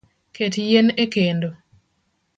Ket yien ekendo